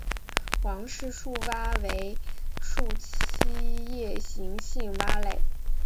王氏树蛙为树栖夜行性蛙类。